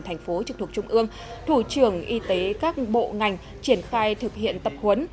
thành phố trực thuộc trung ương thủ trưởng y tế các bộ ngành triển khai thực hiện tập huấn